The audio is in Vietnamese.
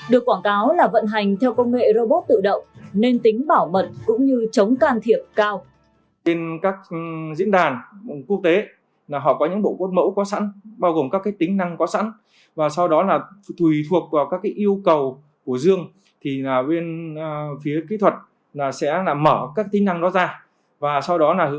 được quảng cáo là vận hành theo công nghệ robot tự động nên tính bảo mật cũng như chống can thiệp cao